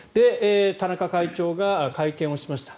田中会長が会見をしました。